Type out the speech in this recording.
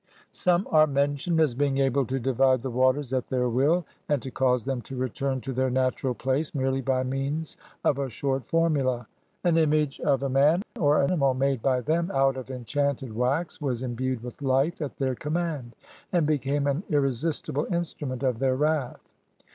Some are mentioned as being able to divide the waters at their will, and to cause them to return to their natural place, merely by means of a short formula. An image of THE KING'S PALACE AND HIS ATTENDANTS a man or animal made by them out of enchanted wax was imbued with life at their command, and became an irresistible instrument of their wrath.